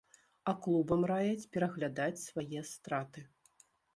А клубам раяць пераглядаць свае страты.